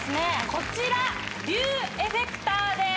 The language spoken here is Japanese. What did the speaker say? こちらビューエフェクターです